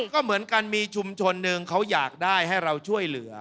ก็เหมือนกันมีชุมชนหนึ่งเขาอยากได้ให้เราช่วยเหลือ